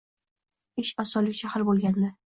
Ish osonlikcha hal bo`lgadi